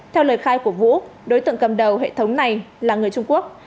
theo lời khai của vũ đối tượng cầm đầu hệ thống này là người trung quốc